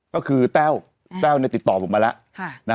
ก็คือแต้วแต้วติดต่อผมมาแล้ว